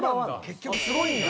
結局すごいんだ。